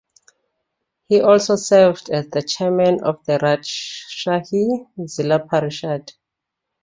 He also served as the chairman of Rajshahi Zilla Parishad.